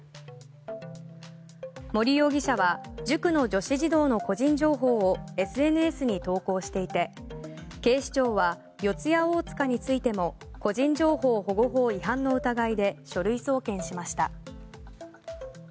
森容疑者は塾の女子児童の個人情報をＳＮＳに投稿していて警視庁は四谷大塚についても個人情報保護法違反の疑いで書類送検しました。